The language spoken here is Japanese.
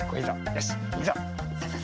よしいくぞ。